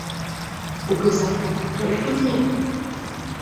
— Кугызай, тол пырля!